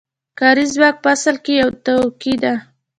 کاري ځواک په اصل کې یو توکی دی